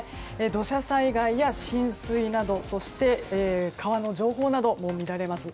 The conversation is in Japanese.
土砂災害や浸水など、そして川の情報なども見られます。